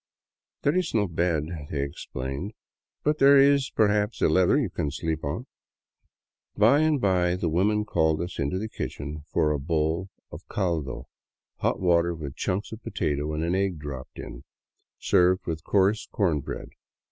" There is no bed," they explained, " but there is perhaps a leather you can sleep on." By and by the woman called us into the kitchen for a bowl of caldo, hot water with chunks of potato and an tgg dropped in it, served with coarse corn bread.